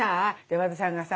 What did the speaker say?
和田さんがさ